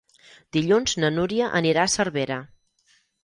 Dilluns na Núria anirà a Cervera.